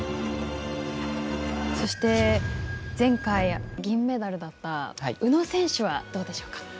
そして前回銀メダルだった宇野選手はどうでしょうか？